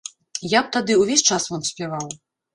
Я б тады увесь час вам спяваў!